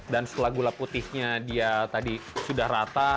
dan setelah gula putihnya dia tadi sudah rata